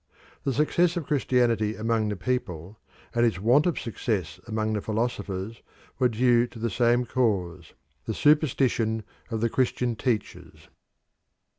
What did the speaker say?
The success of Christianity among the people, and its want of success among the philosophers, were due to the same cause the superstition of the Christian teachers.